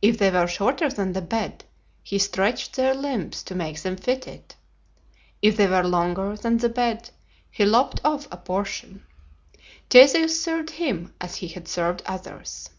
If they were shorter than the bed, he stretched their limbs to make them fit it; if they were longer than the bed, he lopped off a portion. Theseus served him as he had served others.